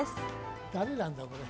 誰なんだ、これ。